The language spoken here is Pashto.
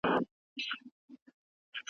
د ژوندیو له نړۍ څخه بېلېږم